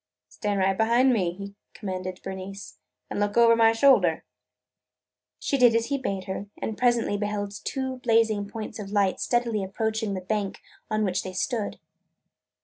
"Stand right behind me," he commanded Bernice, "and look over my shoulder!" She did as he bade her and presently beheld two blazing points of light steadily approaching the bank on which they stood.